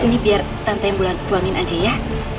ini biar tante yang buangin aja ya